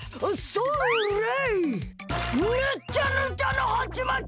それ！